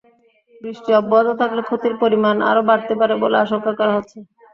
বৃষ্টি অব্যাহত থাকলে ক্ষতির পরিমাণ আরও বাড়তে পারে বলে আশঙ্কা করা হচ্ছে।